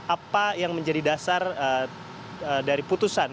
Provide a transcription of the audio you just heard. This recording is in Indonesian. apa yang menjadi dasar dari putusan